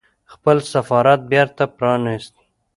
خپل سفارت بېرته پرانيست